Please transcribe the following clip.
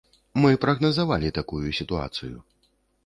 Мы прагназавалі такую сітуацыю.